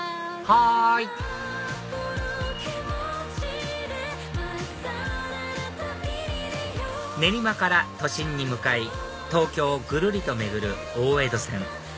はい練馬から都心に向かい東京をぐるりと巡る大江戸線